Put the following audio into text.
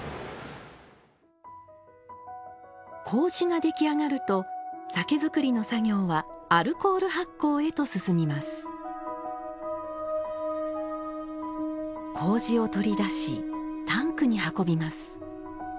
麹が出来上がると酒造りの作業はアルコール発酵へと進みます麹を取り出しタンクに運びます。